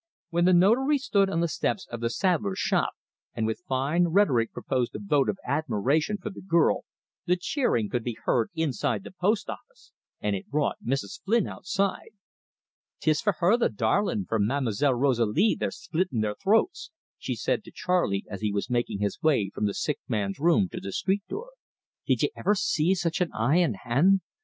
When the Notary stood on the steps of the saddler's shop, and with fine rhetoric proposed a vote of admiration for the girl, the cheering could be heard inside the post office, and it brought Mrs. Flynn outside. "'Tis for her, the darlin' for Ma'm'selle Rosalie they're splittin' their throats!" she said to Charley as he was making his way from the sick man's room to the street door. "Did ye iver see such an eye an' hand?